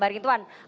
baru lagi tuhan